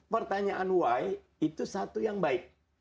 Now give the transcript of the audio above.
pertanyaan why itu satu yang baik